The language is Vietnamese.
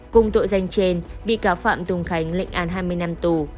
cùng tội danh trên bị cáo phạm tùng khánh lịnh án hai mươi năm tù